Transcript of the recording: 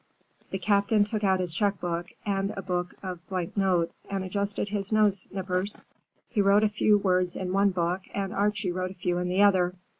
The Captain took out his checkbook and a book of blank notes, and adjusted his nose nippers. He wrote a few words in one book and Archie wrote a few in the other.